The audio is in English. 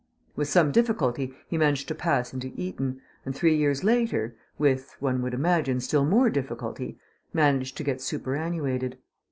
With some difficulty he managed to pass into Eton, and three years later with, one would imagine, still more difficulty managed to get superannuated.